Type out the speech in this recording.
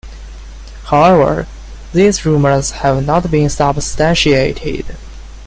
However, these rumours have not been substantiated.